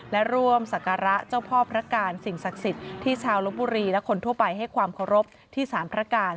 และร่วมศักระเจ้าพ่อพระการสิ่งศักดิ์สิทธิ์ที่ชาวลบบุรีและคนทั่วไปให้ความเคารพที่สารพระการ